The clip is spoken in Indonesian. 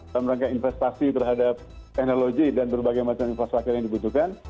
dalam rangka investasi terhadap teknologi dan berbagai macam infrastruktur yang dibutuhkan